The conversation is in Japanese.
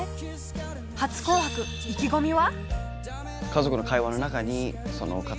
初紅白、意気込みは？